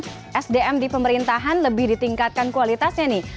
karena sdm di pemerintahan lebih ditingkatkan kualitasnya nih